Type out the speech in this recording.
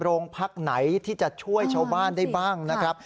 โรงพักไหนที่จะช่วยชาวบ้านได้บ้างนะครับ